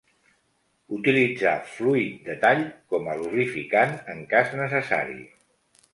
Utilitzar fluid de tall com a lubrificant, en cas necessari.